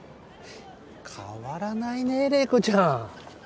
変わらないね麗子ちゃん。